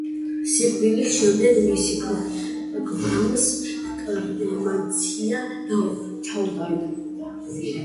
სიკვდილის შემდეგ მისი გვამს კრემაცია ჩაუტარდა.